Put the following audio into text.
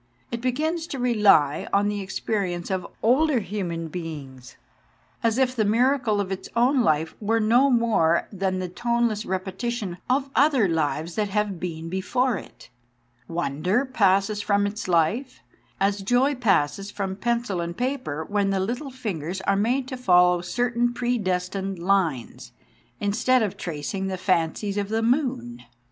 It begins to rely on the experience of older human beings, as if the miracle of its own life were no more than the toneless repeti tion of other lives that have been before it. Wonder passes from its life, as joy passes from pencil and paper when the little fingers are made to follow certain predestined lines, instead of tracing the fancies of the moon.